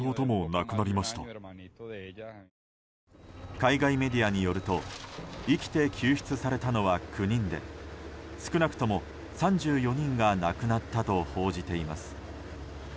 海外メディアによると生きて救出されたのは９人で少なくとも３４人が亡くなったと報じています。